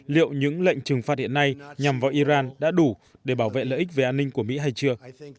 liệu những lệnh trừng phạt hiện nay nhằm vào iran đã đủ để bảo vệ lợi ích về an ninh của mỹ hay chưa